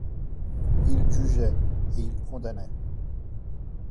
Il jugeait, et il condamnait.